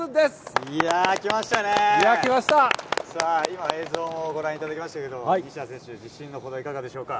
さあ、今、映像もご覧いただきましたけど、西矢選手、自信のほどはいかがでしょうか。